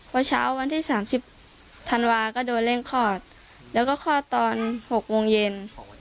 พอเช้าวันที่สามสิบธันวาค์ก็โดนเล่นคลอดแล้วก็คลอดตอนหกวงเย็น